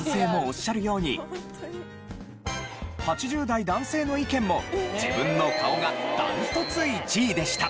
８０代男性の意見も自分の顔が断トツ１位でした。